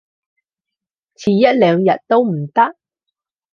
遲一兩日都唔得？